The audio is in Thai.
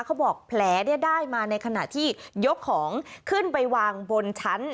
เขาบอกแผลได้มาในขณะที่ยกของขึ้นไปวางบนชั้น